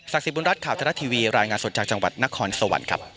ศักดิ์สิบุญรัฐข่าวเจ้าหน้าทีวีรายงานสดจากจังหวัดนครสวรรค์ครับ